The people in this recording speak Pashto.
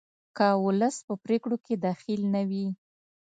که ولس په پریکړو کې دخیل نه وي